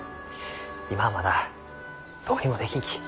今はまだどうにもできんき。